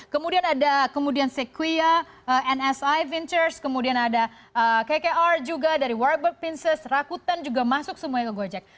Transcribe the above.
kemudian ada sequoia nsi ventures kemudian ada kkr juga dari warburg pinces rakuten juga masuk semuanya ke gojek